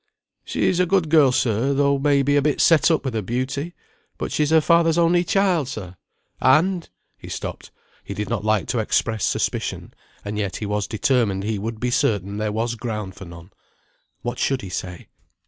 "She's a good girl, sir, though may be a bit set up with her beauty; but she's her father's only child, sir, and " he stopped; he did not like to express suspicion, and yet he was determined he would be certain there was ground for none. What should he say?